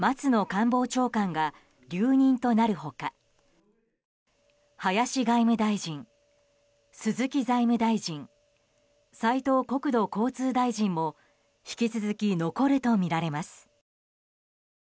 官房長官が留任となる他林外務大臣、鈴木財務大臣斉藤国土交通大臣も引き続き残るとみられます。